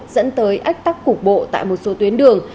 dẫn tới ách tắc cục bộ tại một số tuyến đường